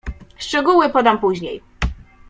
"Szczegóły podam później."